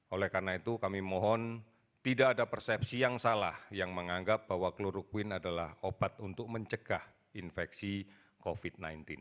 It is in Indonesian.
oleh karena itu kami mohon tidak ada persepsi yang salah yang menganggap bahwa kloroquine adalah obat untuk mencegah infeksi covid sembilan belas